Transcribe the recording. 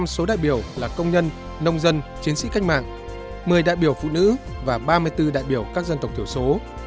tám mươi bảy số đại biểu là công nhân nông dân chiến sĩ canh mạng một mươi đại biểu phụ nữ và ba mươi bốn đại biểu các dân tộc thiểu số